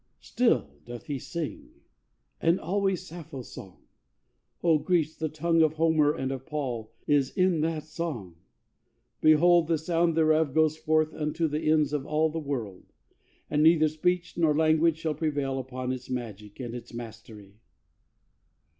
Still doth he sing; and always Sappho's song! O Greece, the tongue of Homer and of Paul Is in that song! Behold, the sound thereof Goes forth unto the ends of all the world; And neither speech nor language shall prevail Upon its magic and its mastery!